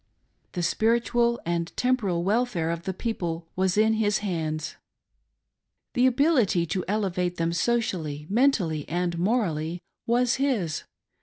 The spiritual and temporal welfare of the people was in his hands. The ability to elevate them socially, mentally, and morally was his.